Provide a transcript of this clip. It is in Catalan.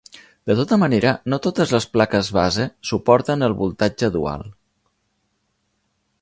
De tota manera, no totes les plaques base suporten el voltatge dual.